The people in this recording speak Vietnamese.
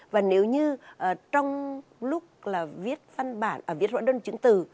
và nếu như trong lúc là viết văn bản và viết rõ đơn chứng từ